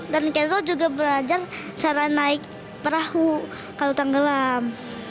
dan kenzo juga belajar cara naik perahu kalau tanggelam